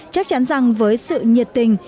chắc chắn rằng với sự nhiệt tình